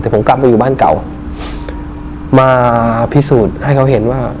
แต่ผมกลับไปอยู่บ้านเก่ามาพิสูจน์ให้เขาเห็นว่า